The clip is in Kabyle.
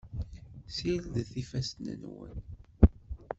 Sirdet ifassen-nwen.